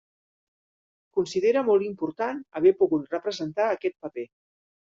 Considera molt important haver pogut representar aquest paper.